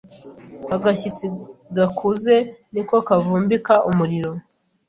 Agashyitsi gakuze niko kavumbika umuriro